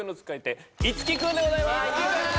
いつき君でございます！